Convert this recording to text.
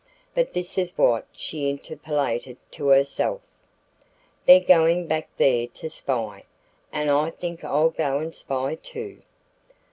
But this is what she interpolated to herself: "They're going back there to spy, and I think I'll go and spy, too."